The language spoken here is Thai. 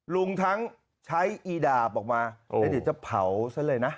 ทั้งใช้อีดาบออกมาแล้วเดี๋ยวจะเผาซะเลยนะ